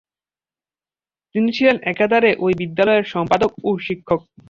তিনি ছিলেন একাধারে এই বিদ্যালয়ের সম্পাদক ও শিক্ষক।